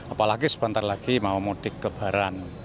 apalagi sebentar lagi mau mudik kebaran